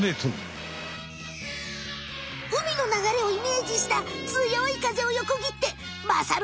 海の流れをイメージしたつよいかぜをよこぎってまさる